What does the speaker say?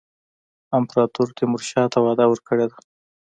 امپراطور تیمورشاه ته وعده ورکړې ده.